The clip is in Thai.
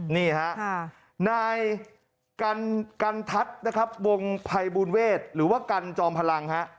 นี่ฮะนายกันทัศน์นะครับวงภัยบูลเวศหรือว่ากันจอมพลังฮะ